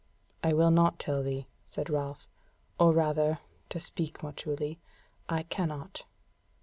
"I will not tell thee," said Ralph; "or, rather, to speak more truly, I cannot."